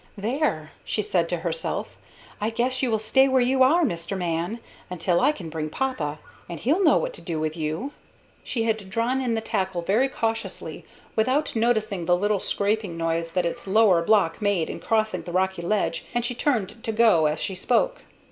"There," she said to herself; "I guess you will stay where you are, Mister Man, until I can bring papa; and he'll know what to do with you!" She had drawn in the tackle very cautiously, without noticing the little scraping noise that its lower block made in crossing the rocky ledge, and she turned to go as she spoke.